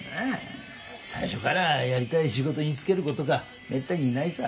最初からやりたい仕事に就ける子とかめったにいないさ。